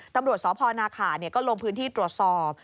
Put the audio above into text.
ตำรวจสพนาขาก็ลงพื้นที่ตรวจสอบ